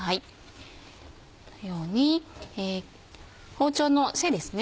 このように包丁の背ですね